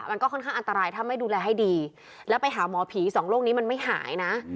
มันก็ค่อนข้างอันตรายถ้าไม่ดูแลให้ดีแล้วไปหาหมอผีสองโลกนี้มันไม่หายนะ